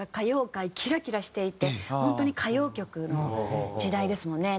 歌謡界キラキラしていて本当に歌謡曲の時代ですもんね。